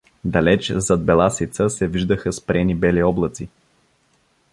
Далеч зад Беласица се виждаха спрени бели облаци.